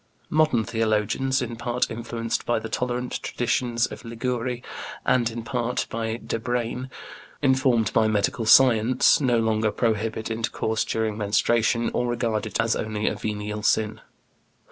Modern theologians in part influenced by the tolerant traditions of Liguori, and, in part, like Debreyne (Moechialogie, pp. 275 et seq.) informed by medical science no longer prohibit intercourse during menstruation, or regard it as only a venial sin.